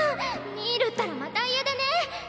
ミールったらまた家出ね。